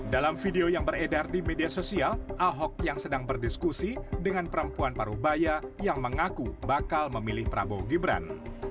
dalam video yang beredar di media sosial ahok yang sedang berdiskusi dengan perempuan paruh baya yang mengaku bakal memilih prabowo gibran